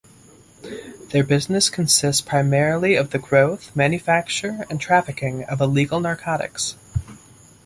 Their business consists primarily of the growth, manufacture, and trafficking of illegal narcotics.